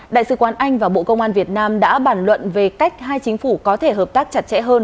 đại sứ quán anh và bộ công an việt nam đã bản luận về cách hai chính phủ có thể hợp tác chặt chẽ hơn